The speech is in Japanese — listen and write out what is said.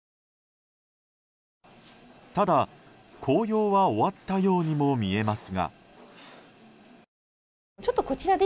ただ、紅葉は終わったようにも見えますが。